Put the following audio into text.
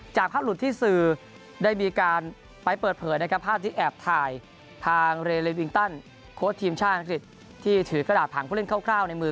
ภาพหลุดที่สื่อได้มีการไปเปิดเผยนะครับภาพที่แอบถ่ายทางเรเลวิงตันโค้ชทีมชาติอังกฤษที่ถือกระดาษถังผู้เล่นคร่าวในมือ